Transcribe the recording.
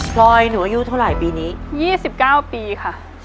พลอยหนูอายุเท่าไรปีนี้ยี่สิบเก้าปีค่ะ